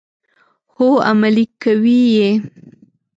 هو، عملي کوي یې.